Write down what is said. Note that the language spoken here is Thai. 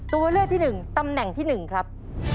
ตัวเลือดที่หนึ่งตำแหน่งที่หนึ่งครับ